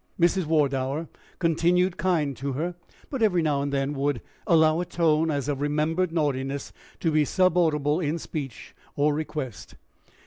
Mrs. Wardour continued kind to her; but every now and then would allow a tone as of remembered naughtiness to be sub audible in speech or request.